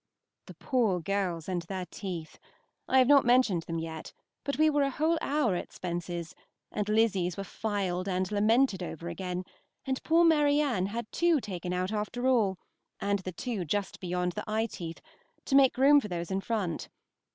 The poor girls and their teeth! I have not mentioned them yet, but we were a whole hour at Spence's, and Lizzy's were filed and lamented over again, and poor Marianne had two taken out after all, the two just beyond the eye teeth, to make room for those in front.